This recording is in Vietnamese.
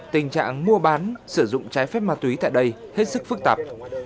tình trạng mua bán sử dụng trái phép ma túy tại đây hết sức phức tạp